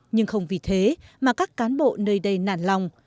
nhưng không vì thế mà các cán bộ nơi đây nản lòng